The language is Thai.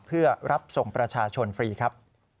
เพื่อรับส่งประชาชนฟรีครับ